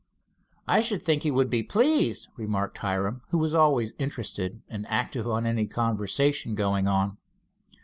"I should think he would be pleased," remarked Hiram, who was always interested and active in any conversation going on.